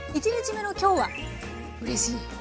１日目の今日はうれしい。